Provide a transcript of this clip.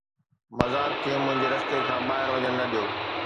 مذاق کي منهنجي رستي کان ٻاهر وڃڻ نه ڏيو